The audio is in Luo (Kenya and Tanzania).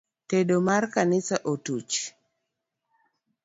Tado mar kanisa otuch.